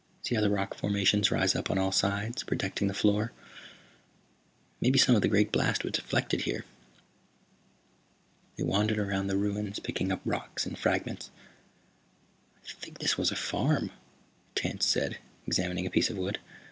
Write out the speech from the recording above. See how the rock formations rise up on all sides, protecting the floor. Maybe some of the great blast was deflected here." They wandered around the ruins, picking up rocks and fragments. "I think this was a farm," Tance said, examining a piece of wood.